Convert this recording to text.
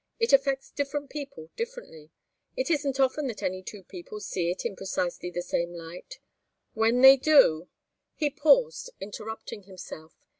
It affects different people differently. It isn't often that any two people see it in precisely the same light. When they do " He paused, interrupting himself.